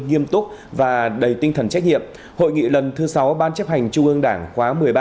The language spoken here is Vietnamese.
nghiêm túc và đầy tinh thần trách nhiệm hội nghị lần thứ sáu ban chấp hành trung ương đảng khóa một mươi ba